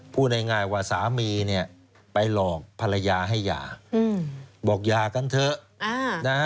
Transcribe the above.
พูดง่ายว่าสามีเนี่ยไปหลอกภรรยาให้หย่าบอกหย่ากันเถอะนะ